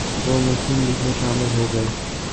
وہ مسلم لیگ میں شامل ہوگئے